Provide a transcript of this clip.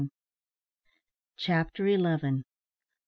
CHAPTER ELEVEN.